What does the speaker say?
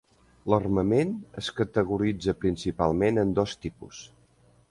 L'armament es categoritza principalment en dos tipus.